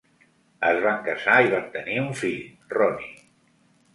Es van casar i van tenir un fill, Ronnie.